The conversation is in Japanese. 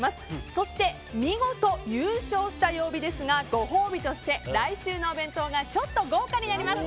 そして、見事優勝した曜日ですがご褒美として、来週のお弁当がちょっと豪華になります。